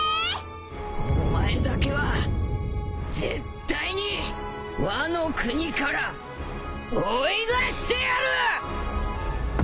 お前だけは絶対にワノ国から追い出してやる！